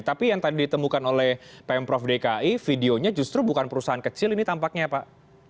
tapi yang tadi ditemukan oleh pemprov dki videonya justru bukan perusahaan kecil ini tampaknya pak